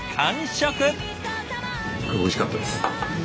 おいしかったです。